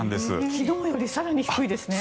昨日より更に低いですね。